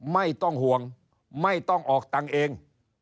ไม่ต้องห่วงไม่ต้องออกตังค์เอง